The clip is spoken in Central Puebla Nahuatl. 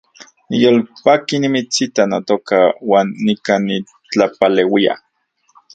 Niyolpaki nimitsita, notoka, uan nikan nitlapaleuia